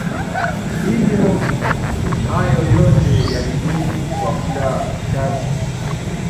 hivyo, hayo yote yalidumu kwa muda mchache mno